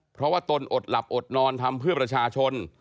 เพราะว่าตนอดหลับอดนอนทำเพื่อประชาชน